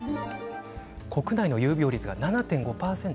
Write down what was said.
国内の有病率が７．５％。